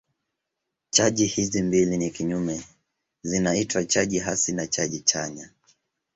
Chaji hizi mbili ni kinyume zinaitwa chaji hasi na chaji chanya.